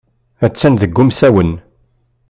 Attan deg umsawen.